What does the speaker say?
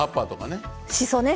しそね。